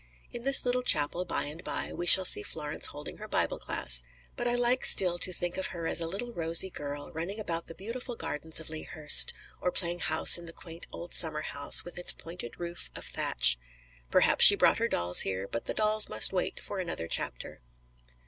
In this little chapel, by and by, we shall see Florence holding her Bible class. But I like still to think of her as a little rosy girl, running about the beautiful gardens of Lea Hurst, or playing house in the quaint old summerhouse with its pointed roof of thatch. Perhaps she brought her dolls here; but the dolls must wait for another chapter.